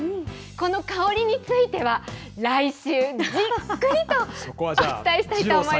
この香りについては来週じっくりとお伝えしたいと思います。